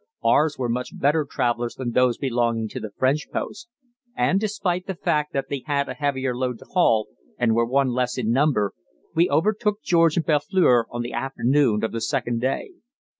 Ours were much better travellers than those belonging to the French post, and, despite the fact that they had a heavier load to haul and were one less in number, we overtook George and Belfleur on the afternoon of the second day.